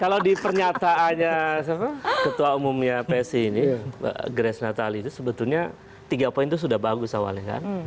kalau di pernyataannya ketua umumnya psi ini grace natali itu sebetulnya tiga poin itu sudah bagus awalnya kan